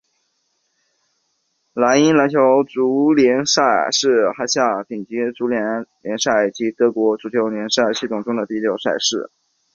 莱茵兰足球联赛是辖下的顶级足球联赛以及德国足球联赛系统中的第六级赛事。